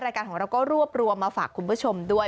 รายการของเราก็รวบรวมมาฝากคุณผู้ชมด้วย